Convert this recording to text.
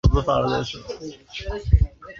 以下是香港迪士尼乐园内的节庆活动。